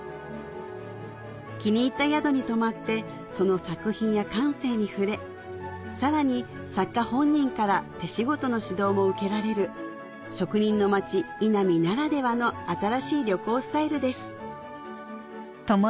気に入った宿に泊まってその作品や感性に触れさらに作家本人から手仕事の指導も受けられる職人の町井波ならではの新しい旅行スタイルです